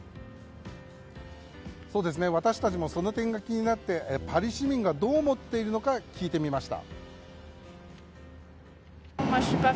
私たちもその点が気になってパリ市民がどう思っているのか聞いてみました。